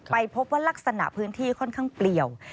ไปพบว่ารักษณะพื้นที่ค่อนข้างเปลี่ยว